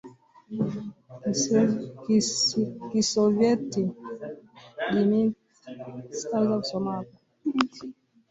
Kisovyeti Dmitry Medvedev alichaguliwa kuwa rais wa Urusi na